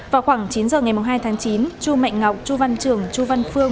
vào khoảng chín giờ ngày hai tháng chín chu mạnh ngọc chu văn trường chu văn phương